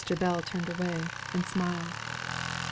Bell turned away, and smiled.